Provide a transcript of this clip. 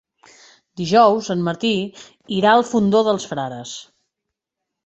Dijous en Martí irà al Fondó dels Frares.